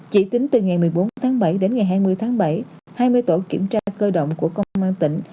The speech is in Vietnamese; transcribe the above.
chỉ tính từ ngày một mươi bốn tháng bảy đến ngày hai mươi tháng bảy hai mươi tổ kiểm tra cơ động của công an tỉnh